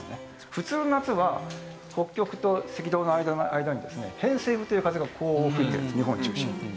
普通の夏は北極と赤道の間にですね偏西風という風がこう吹いてるんです日本中心に。